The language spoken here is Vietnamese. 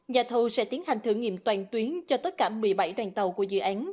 nhà thầu sẽ tiến hành thử nghiệm toàn tuyến cho tất cả một mươi bảy đoàn tàu của dự án